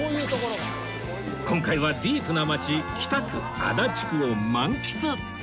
今回はディープな街北区足立区を満喫